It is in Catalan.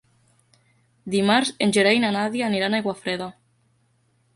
Dimarts en Gerai i na Nàdia aniran a Aiguafreda.